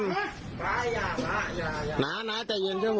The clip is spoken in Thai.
น้าน้าน้าน้าน้าน้าใจเย็นเจ้าผม